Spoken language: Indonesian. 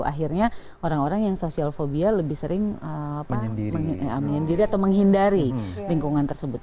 akhirnya orang orang yang sosial fobia lebih sering menyendiri atau menghindari lingkungan tersebut